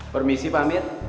permisi pak amir